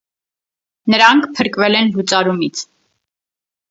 Նրանք փրկվել են լուծարումից։